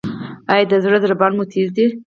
ایا د زړه ضربان مو تېز دی؟